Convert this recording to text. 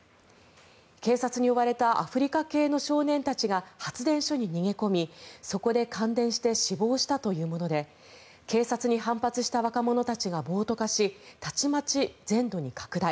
警察に追われたアフリカ系の少年たちが発電所に逃げ込みそこで感電して死亡したというもので警察に反発した若者たちが暴徒化し、たちまち全土に拡大。